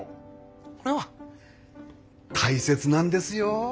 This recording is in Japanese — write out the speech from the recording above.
これは大切なんですよ。